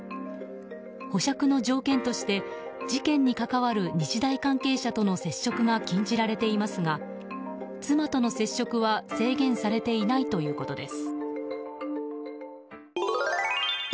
保釈の条件として事件に関わる日大関係者との接触が禁じられていますが妻との接触は制限されていないということです。